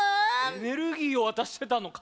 エネルギーを渡してたのか！